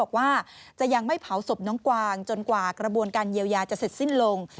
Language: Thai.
บอกว่าจะยังไม่เผาศพน้องกวางจนกว่ากระบวนการเยียวยาจะเสร็จสิ้นลง